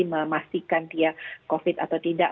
memastikan dia covid atau tidak